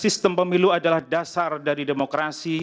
sistem pemilu adalah dasar dari demokrasi